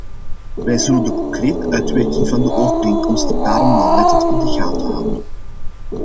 Wij zullen de concrete uitwerking van de overeenkomst daarom nauwlettend in de gaten houden.